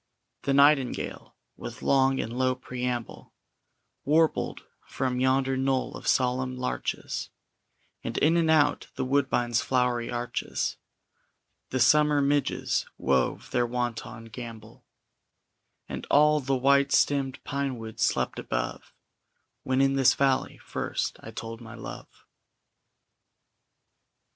The nightingale, with long and low preamble, Warbled from yonder knoll of solemn larches, And in and out the woodbine's flowery arches The summer midges wove their wanton gambol, And all the white stemmed pinewood slept above When in this valley first I told my love.